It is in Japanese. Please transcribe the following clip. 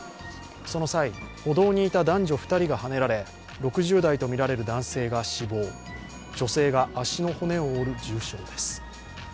その際、歩道にいた男女２人がはねられ、６０代とみられる男性が死亡、女性が足の骨を折る重傷です。